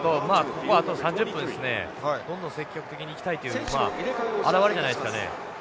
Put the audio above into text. ここはあと３０分ですねどんどん積極的にいきたいというまあ表れじゃないですかね。